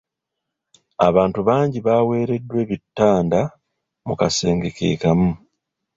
Abantu bangi baaweereddwa ebitanda mu kasenge ke kamu.